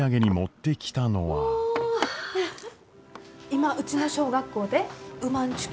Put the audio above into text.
今うちの小学校でうまんちゅ